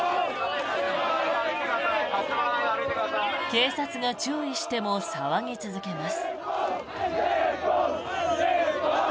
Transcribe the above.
警察が注意しても騒ぎ続けます。